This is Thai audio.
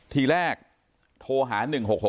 ทีแรกโทรหา๑๖๖